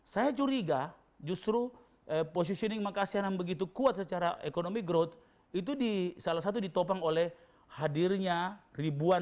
saya curiga justru positioning makassar yang begitu kuat secara ekonomi growth itu salah satu ditopang oleh hadirnya ribuan